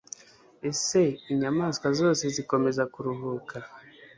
Ese inyamaswa zose zikomeza kuruhuka; -